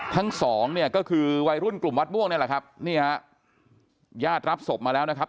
ทั้งสองเนี่ยก็คือวัยรุ่นกลุ่มวัดม่วงนี่แหละครับนี่ฮะญาติรับศพมาแล้วนะครับ